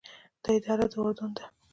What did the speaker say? دا اداره د اردن ده.